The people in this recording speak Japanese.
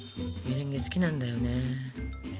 メレンゲ好きなんだよね。